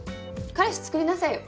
彼氏作りなさいよ。